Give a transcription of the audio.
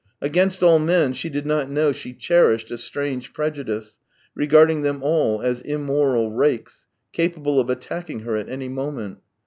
Against all men she did not know she cherished a strange prejudice, regarding them all as immoral rakes, capable of attacking her at any moment.